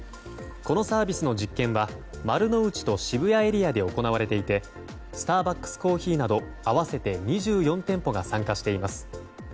このサービスの実験は丸の内と渋谷エリアで行われていてスターバックスコーヒーなど合わせて２４店舗が参加しています。